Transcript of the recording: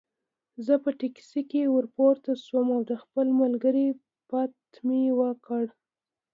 زه په ټکسي کې ورپورته شوم او د خپل ملګري پته مې ورکړه.